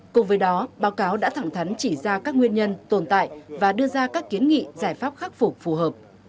cùng với đó báo cáo đã thẳng thắn chỉ ra các nguyên nhân tồn tại và đưa ra các kiến nghị giải pháp khắc phục phù hợp